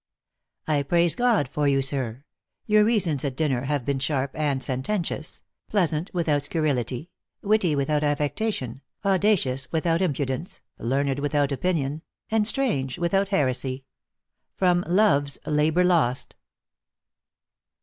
I praise God for you, sir : your reasons at dinner have been sharp and sententious ; pleasant without scurrility, witty without affectation, au dacious without impudence, learned without opinion, and strange with out heresy. Love s Labor Lost.